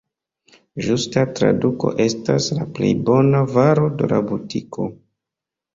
Ĝusta traduko estas «la plej bona varo de la butiko».